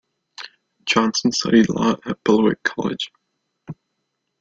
Johnson studied law at Beloit College.